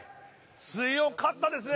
強かったですね！